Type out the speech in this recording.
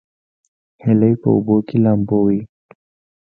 هیلۍ په اوبو کې لامبو وهي